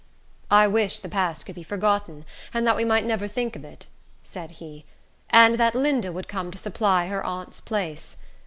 "I wish the past could be forgotten, and that we might never think of it," said he; "and that Linda would come to supply her aunt's place.